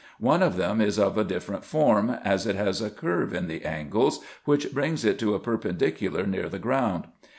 One of them is of a different form, as it has a curve in the angles, which brings it to a perpendicular near the ground.